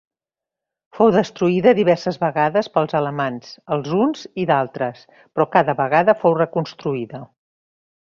Fou destruïda diverses vegades pels Alamans, els huns i d'altres, però cada vegada fou reconstruïda.